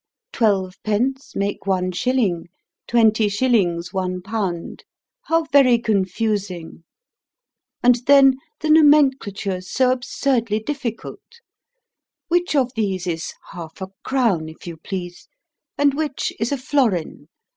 Twelve pence make one shilling; twenty shillings one pound. How very confusing! And then, the nomenclature's so absurdly difficult! Which of these is half a crown, if you please, and which is a florin?